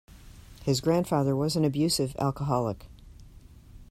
His grandfather was an abusive alcoholic.